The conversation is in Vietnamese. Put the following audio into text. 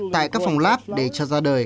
tại các phòng lab để cho ra đời